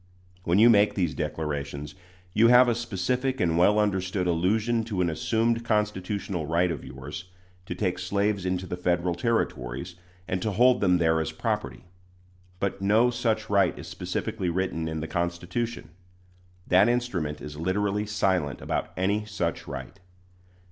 When you make these declarations, you have a specific and well understood allusion to an assumed constitutional right of yours to take slaves into the Federal Territories, and to hold them there as property. But no such right is specifically written in the Constitution. That instrument is literally silent about any such right.